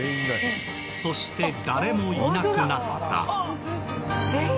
そして、誰もいなくなった。